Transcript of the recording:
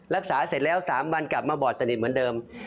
รักษาเสร็จแล้ว๓วันกลับมาบอดสนิทเหมือนเดิม